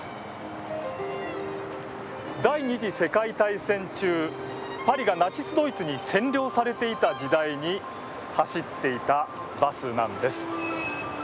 第２次世界大戦中パリがナチスドイツに占領されていた時代に走っていたバスなんです。